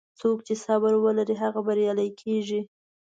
څوک چې صبر ولري، هغه بریالی کېږي.